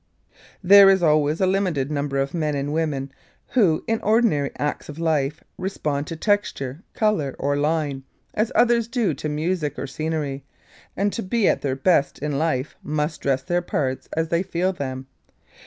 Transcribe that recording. There is always a limited number of men and women who, in ordinary acts of life, respond to texture, colour or line, as others do to music or scenery, and to be at their best in life, must dress their parts as they feel them.